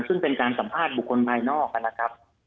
ซึ่งเป็นการสัมภาษณ์บุคคลภายนอกนะครับ